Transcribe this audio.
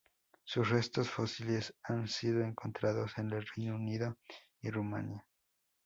Sus restos fósiles han sido encontrados en el Reino Unido y Rumania.